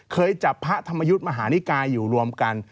เคยจับพระธรรมยุทธ์มหานิกายอยู่รวมกัน